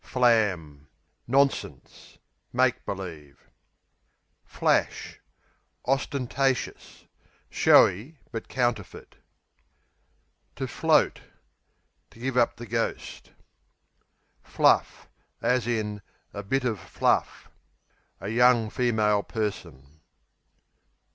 Flam Nonsense; make believe. Flash Ostentatious; showy but counterfeit. Float, to To give up the ghost. Fluff, a bit of A young female person.